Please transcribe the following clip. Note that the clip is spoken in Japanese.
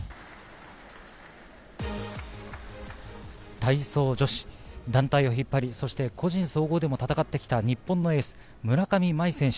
体操女子団体を引っ張り、そして個人総合でも戦ってきた日本のエース・村上茉愛選手。